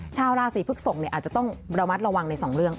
ชาวราศีพฤกษกอาจจะต้องระมัดระวังในสองเรื่อง